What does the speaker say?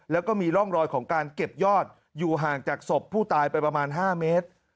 แล้วก็มีร่องรอยของการเก็บยอดอยู่ห่างจากศพผู้ตายไปประมาณ๕เมตร